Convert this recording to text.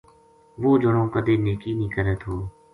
وہ جنو کدے نیکی نی کرے تھو